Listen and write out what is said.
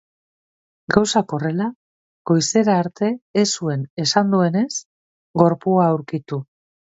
Gauzak horrela, goizera arte ez zuen, esan duenez, gorpua aurkitu.